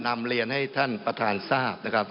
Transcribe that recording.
นำเรียนให้ท่านประธานทราบนะครับ